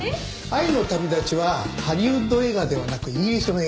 『愛の旅だち』はハリウッド映画ではなくイギリスの映画です。